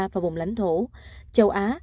và vùng lãnh thổ châu á